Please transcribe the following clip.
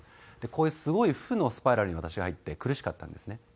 こういうすごい負のスパイラルに私は入って苦しかったんですね。